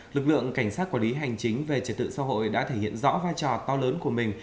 lực lượng cảnh sát quản lý hành chính về trật tự xã hội đã thể hiện rõ vai trò to lớn của mình